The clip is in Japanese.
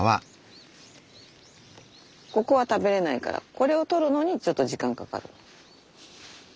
ここは食べれないからこれを取るのにちょっと時間かかる。